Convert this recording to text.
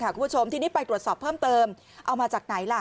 คุณผู้ชมทีนี้ไปตรวจสอบเพิ่มเติมเอามาจากไหนล่ะ